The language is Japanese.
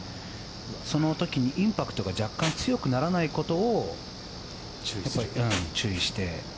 その時にインパクトが若干強くならないことを注意して。